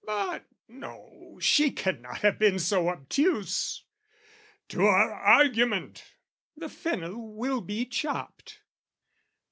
But no, she cannot have been so obtuse! To our argument! The fennel will be chopped.